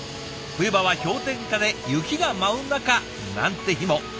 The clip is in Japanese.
冬場は氷点下で雪が舞う中なんて日も。